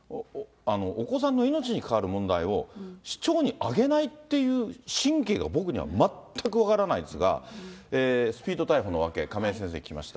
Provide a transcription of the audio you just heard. お子さんの命に関わる問題を、市長に上げないっていう神経が僕には全く分からないですが、スピード逮捕の訳、亀井先生に聞きました。